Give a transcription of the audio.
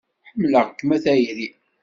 Ḥemmleɣ-kem a tayri.